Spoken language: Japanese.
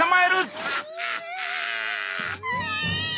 うわ！